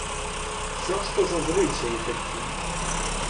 Що ж то за звичаї такі?